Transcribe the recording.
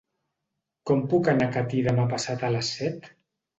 Com puc anar a Catí demà passat a les set?